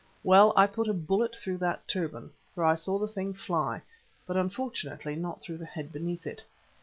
Well, I put a bullet through that turban, for I saw the thing fly, but unfortunately, not through the head beneath it.